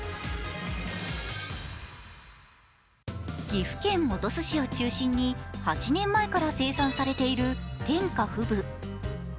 岐阜県本巣市を中心に８年前から生産されている天下富舞。